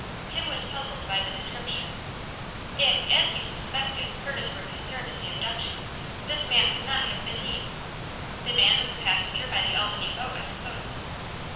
Tim was puzzled by the description. If, as he suspected, Curtis were concerned in the abduction, this man could not have been he. "The man was a passenger by the Albany boat, I suppose?"